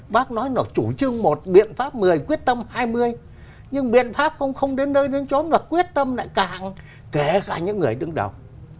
bác nói nó chủ trương một biện pháp một mươi quyết tâm hai mươi nhưng biện pháp không đến nơi đến trốn và quyết tâm lại càng kể cả những người đứng đầu